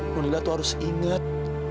nonila tuh harus ingat